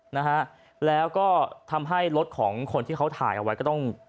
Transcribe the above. นะฮะแล้วก็ทำให้รถของคนที่เขาถ่ายเอาไว้ก็ต้อง